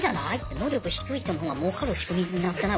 能力低い人のほうがもうかる仕組みになってない？